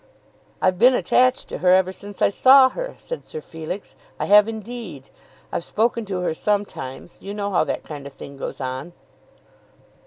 "I've been attached to her ever since I saw her," said Sir Felix. "I have indeed. I've spoken to her sometimes. You know how that kind of thing goes on."